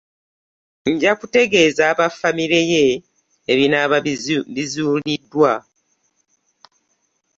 Nja kutegeeza aba ffAmire ye ebinaaba bizuuliddwa